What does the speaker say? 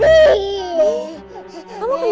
lihat handphone nyari nyari